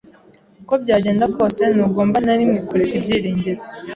Uko byagenda kose, ntugomba na rimwe kureka ibyiringiro.